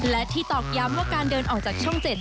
และที่ตอกย้ำว่าการเดินออกจากช่อง๗